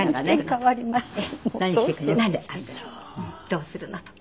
「“どうするの？”と」